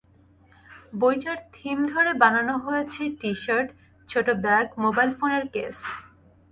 বইটার থিম ধরে বানানো হয়েছে টি-শার্ট, ছোট্ট ব্যাগ, মোবাইল ফোনের কেস।